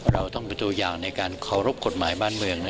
เราต้องเป็นตัวอย่างในการเคารพกฎหมายบ้านเมือง